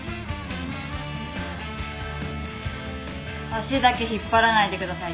足だけ引っ張らないでください